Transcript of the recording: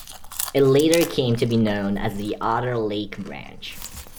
It later came to be known as the Otter Lake Branch.